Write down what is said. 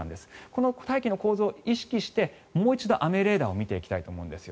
この大気の構造を意識してもう一度、雨レーダーを見ていきたいと思うんです。